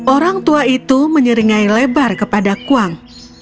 orang tua itu menyeringai lebar kepada kuang